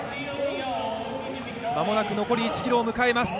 間もなく残り１ｋｍを迎えます。